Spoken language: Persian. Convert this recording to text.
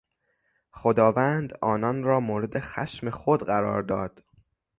خداوند آنان را مورد خشم خود قرار داد.